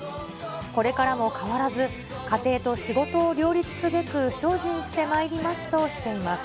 これからも変わらず家庭と仕事を両立すべく精進してまいりますとしています。